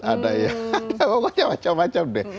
ada yang pokoknya macam macam deh